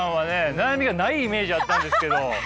悩みがないイメージあったんですけど。